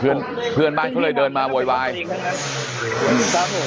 เพื่อนเพื่อนบ้านทุกคนเลยเดินมาโว๊ยวายอันนี้ครับหรือยังแล้ว